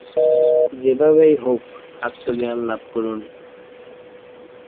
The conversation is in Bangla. যেভাবেই হউক, আত্মজ্ঞান লাভ করুন।